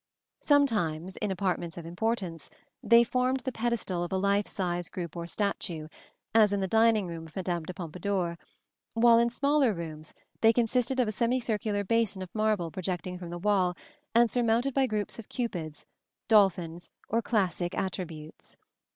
Sometimes, in apartments of importance, they formed the pedestal of a life size group or statue, as in the dining room of Madame de Pompadour; while in smaller rooms they consisted of a semicircular basin of marble projecting from the wall and surmounted by groups of cupids, dolphins or classic attributes.